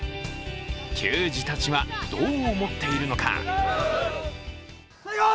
球児たちはどう思っているのか。